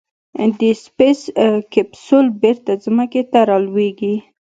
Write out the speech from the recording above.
د سپېس کیپسول بېرته ځمکې ته رالوېږي.